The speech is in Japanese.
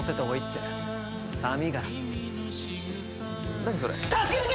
何それ？